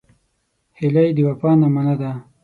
هیلۍ د وفا نمونه ده